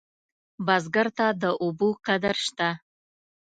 بزګر ته د اوبو قدر شته